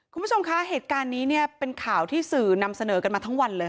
คุณผู้ชมคะเหตุการณ์นี้เนี่ยเป็นข่าวที่สื่อนำเสนอกันมาทั้งวันเลย